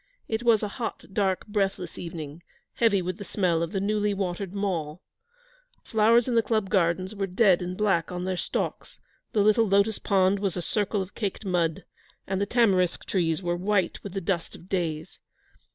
It was a hot, dark, breathless evening, heavy with the smell of the newly watered Mall. The flowers in the Club gardens were dead and black on their stalks, the little lotus pond was a circle of caked mud, and the tamarisk trees were white with the dust of days.